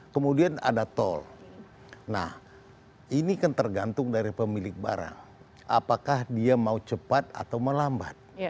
kemudian ada tol nah ini kan tergantung dari pemilik barang apakah dia mau cepat atau melambat